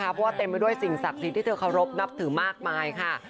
เพราะว่าเต็มไปด้วยสิ่งศักดิ์สิทธิ์ที่เธอเคารพนับถือมากมายค่ะ